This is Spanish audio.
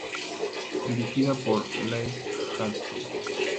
Dirigida por Lasse Hallström.